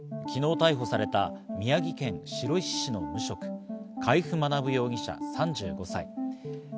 昨日、逮捕された宮城県白石市の無職、海部学容疑者、３５歳。